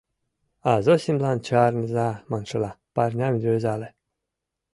Зосимлан, чарныза маншыла, парням рӱзале.